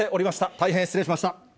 大変失礼しました。